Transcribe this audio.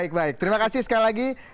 baik baik terima kasih sekali lagi